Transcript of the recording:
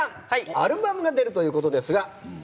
アルバムが出るということですが。